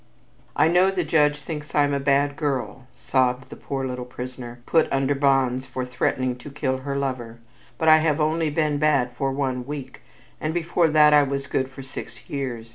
"I know the judge thinks I am a bad girl," sobbed a poor little prisoner, put under bonds for threatening to kill her lover, "but I have only been bad for one week and before that I was good for six years.